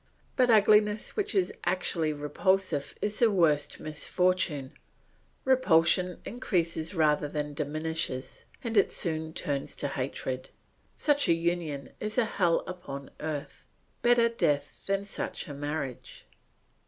But ugliness which is actually repulsive is the worst misfortune; repulsion increases rather than diminishes, and it turns to hatred. Such a union is a hell upon earth; better death than such a marriage.